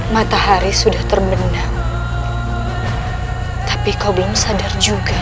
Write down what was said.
matahari sudah terbenam tapi kau belum sadar juga